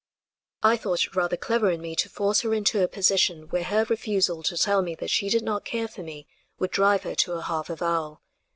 I thought it rather clever in me to force her into a position where her refusal to tell me that she did not care for me would drive her to a half avowal.